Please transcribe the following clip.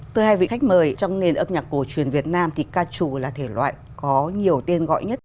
từ hai vị khách mời trong nền âm nhạc cổ truyền việt nam thì ca trù là thể loại có nhiều tên gọi nhất